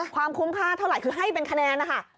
ความคุ้มค่าเท่าไหร่คือให้เป็นคะแนนนะคะ